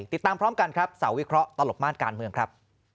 ติดตามพร้อมกันครับเสาร์วิเคราะห์ตลบม่านการเมืองครับ